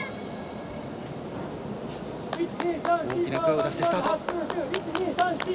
大きな声を出してスタート。